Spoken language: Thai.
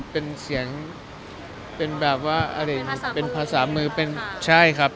เป็นเสียงเป็นแบบว่าเป็นภาษามือใช่ครับ